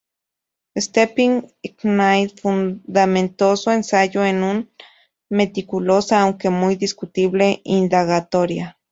Stephen Knight fundamentó su ensayo en una meticulosa, aunque muy discutible, indagatoria.